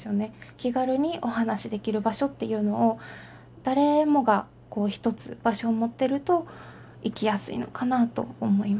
気軽にお話しできる場所っていうのを誰もがこう１つ場所を持ってると生きやすいのかなと思います。